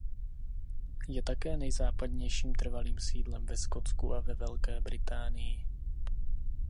Je také nejzápadnějším trvalým sídlem ve Skotsku a ve Velké Británii.